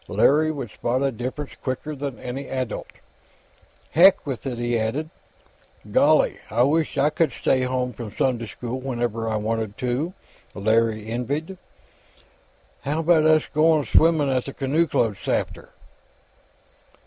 Larry would spot a difference quicker than any adult. "Heck with it," he added. "Golly, I wisht I c'ld stay home from Sunday school whenever I wanted to," Larry envied. "How about us goin' swimmin', at the Canoe Club, 'safter?"